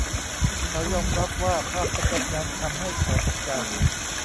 เขายอมรับว่าภาพสเก๊ตช์นั้นทำให้เขาตกใจ